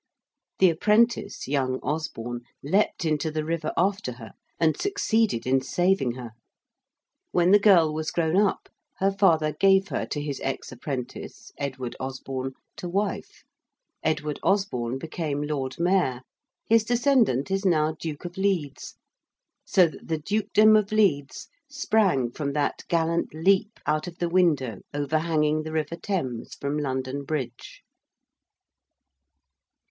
The apprentice, young Osborne, leaped into the river after her and succeeded in saving her. When the girl was grown up her father gave her to his ex apprentice, Edward Osborne, to wife. Edward Osborne became Lord Mayor. His descendant is now Duke of Leeds. So that the Dukedom of Leeds sprang from that gallant leap out of the window overhanging the river Thames from London Bridge.